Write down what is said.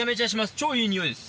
超いい匂いです。